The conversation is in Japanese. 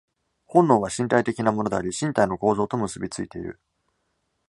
本能は身体的なものであり、身体の構造と結び付いている。